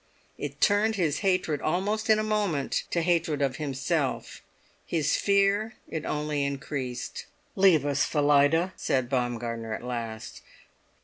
It turned his hatred almost in a moment to hatred of himself; his fear it only increased. "Leave us, Phillida," said Baumgartner at last.